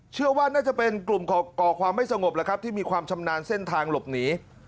เชื่อว่าน่าจะเป็นกลุ่มก่อความไม่สงบแล้วครับที่มีความชำนาญเส้นทางหลบหนี